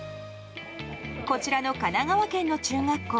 こちらの神奈川県の中学校。